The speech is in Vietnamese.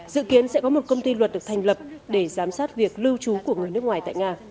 dự kiến sẽ có một công ty luật được thành lập để giám sát việc lưu trú của người nước ngoài tại nga